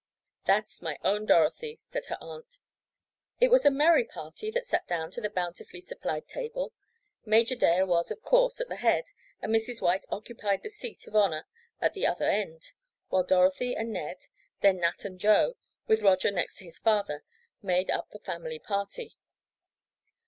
"That's my own Dorothy," said her aunt. It was a merry party that sat down to the bountifully supplied table. Major Dale was, of course, at the head, and Mrs. White occupied the seat of honor at the other end, while Dorothy and Ned, then Nat and Joe, with Roger next his father, made up the family party.